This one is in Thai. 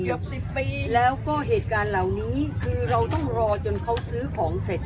เกือบสิบปีแล้วก็เหตุการณ์เหล่านี้คือเราต้องรอจนเขาซื้อของเสร็จ